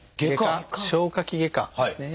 消化器外科ですね。